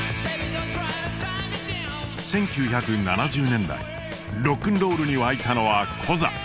１９７０年代ロックンロールに沸いたのはコザ！